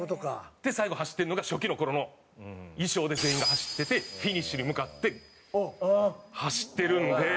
で最後走ってるのが初期の頃の衣装で全員が走っててＦＩＮｉＳＨに向かって走ってるんで。